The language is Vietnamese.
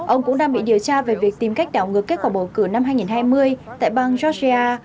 ông cũng đang bị điều tra về việc tìm cách đảo ngược kết quả bầu cử năm hai nghìn hai mươi tại bang georgia